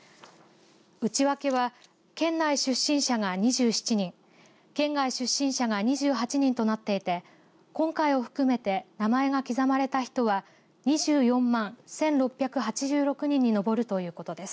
内訳は、県内出身者が２７人県外出身者が２８人となっていて今回を含めて名前が刻まれた人は２４万１６８６人に上るということです。